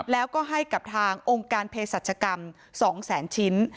แล้วก็ให้กับทางองค์การเพศรัชกรรม๒แสนชิ้น